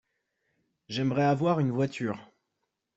j'aimerais avoir une voiture.